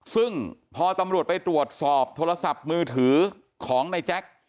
ซึ่งพอตำรวจไปตรวจสอบโทรศัพท์มือถือของในแจ็ค